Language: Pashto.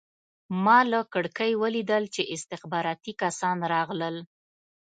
ما له کړکۍ ولیدل چې استخباراتي کسان راغلل